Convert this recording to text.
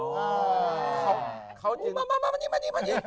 มานี่